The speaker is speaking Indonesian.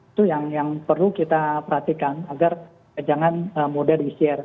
itu yang perlu kita perhatikan agar jangan mudah di share